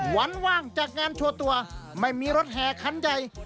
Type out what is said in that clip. หวานว่างจากงานชัวร์ตัวไม่มีรถแห่คันใย